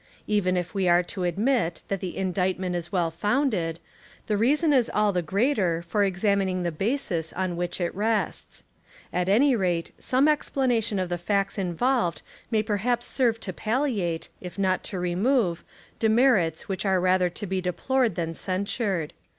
Even if we are to admit that the indictment is well founded, the reason is all the greater for examining the basis on which it rests. At any rate some explanation of the facts involved may perhaps serve to palliate, if not to remove', demerits which are rather to be deplored than censured.